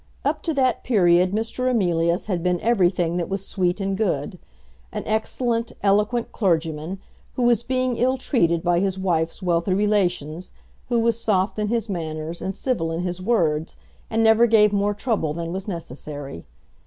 Up to that period Mr. Emilius had been everything that was sweet and good, an excellent, eloquent clergyman, who was being ill treated by his wife's wealthy relations, who was soft in his manners and civil in his words, and never gave more trouble than was necessary.